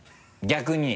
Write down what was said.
逆に？